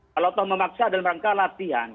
kalau toh memaksa dalam rangka latihan